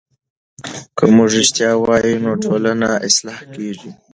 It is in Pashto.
که موږ رښتیا وایو نو ټولنه اصلاح کېږي.